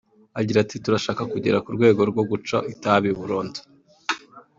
Agira ati “Turashaka kugera ku rwego rwo guca itabi burundu